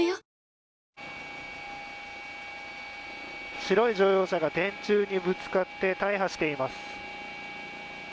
白い乗用車が電柱にぶつかって大破しています。